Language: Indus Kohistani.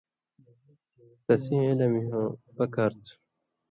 تسِیں علِم ہوں پکار تُھو۔